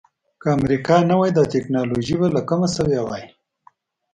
که امریکا نه وای دا ټکنالوجي به له کومه شوې وای.